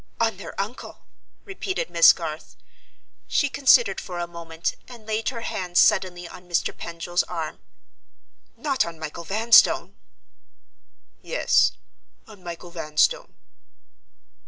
"On their uncle?" repeated Miss Garth. She considered for a moment, and laid her hand suddenly on Mr. Pendril's arm. "Not on Michael Vanstone!" "Yes: on Michael Vanstone."